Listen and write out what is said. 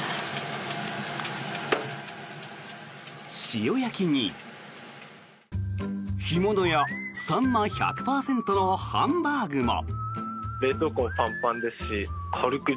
塩焼きに、干物やサンマ１００％のハンバーグも。